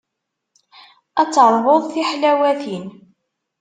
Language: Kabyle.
Ad teṛwuḍ tiḥlawatin.